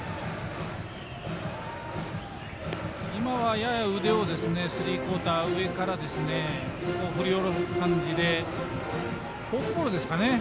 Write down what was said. やや腕をスリークオーター上から、振り下ろす感じでフォークボールですかね。